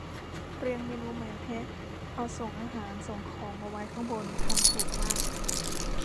เรียงเมนูใหม่แฮะ เอาส่งอาหารส่งของมาไว้ข้างบน ทำถูกมาก